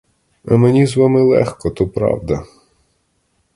А мені з вами легко, то правда!